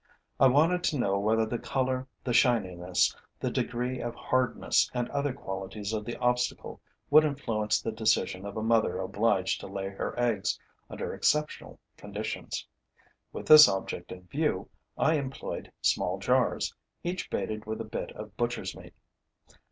I wanted to know whether the color, the shininess, the degree of hardness and other qualities of the obstacle would influence the decision of a mother obliged to lay her eggs under exceptional conditions. With this object in view, I employed small jars, each baited with a bit of butcher's meat.